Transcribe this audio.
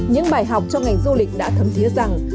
những bài học trong ngành du lịch đã thấm thiết rằng